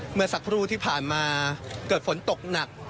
เมื่อสักครู่ที่ผ่านมาเกิดฝนตกหนัก